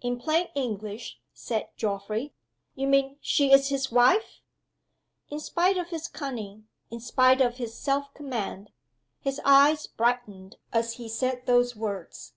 "In plain English," said Geoffrey, "you mean she's his wife?" In spite of his cunning; in spite of his self command, his eyes brightened as he said those words.